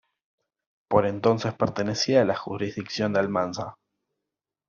Por entonces pertenecía a la jurisdicción de Almanza.